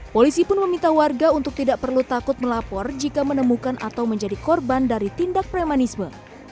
polisi pun meminta warga untuk tidak perlu takut melapor jika menemukan atau menjadi korban dari tindak premanisme